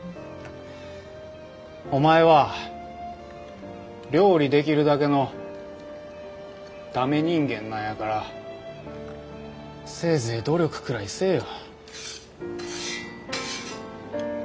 お前は料理できるだけのダメ人間なんやからせいぜい努力くらいせえよ。